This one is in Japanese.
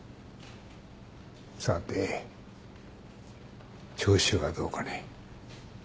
さて調子はどうかね？